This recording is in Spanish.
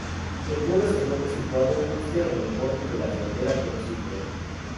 El pueblo se encuentra situado justo en el borde de la frontera con Siria.